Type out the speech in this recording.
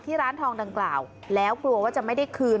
ร้านทองดังกล่าวแล้วกลัวว่าจะไม่ได้คืน